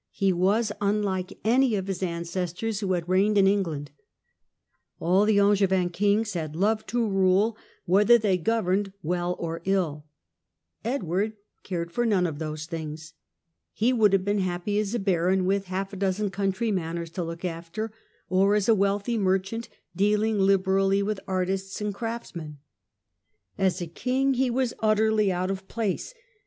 He was unlike any of his ancestors who had reigned in England. All the Angevin kings had loved Edward's to rule, whether they governed well or ill. character. Edward cared for none of those things. He would have been happy as a baron with half a dozen country manors to look after, or as a wealthy merchant dealing liberally with artists and craftsmen. As a king he was utterly out of place.